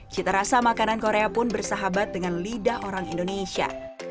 cita rasa makanan korea pun bersahabat dengan lidah orang indonesia